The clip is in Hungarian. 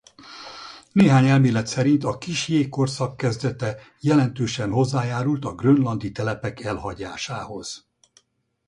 Néhány elmélet szerint a kis jégkorszak kezdete jelentősen hozzájárult a grönlandi telepek elhagyásához.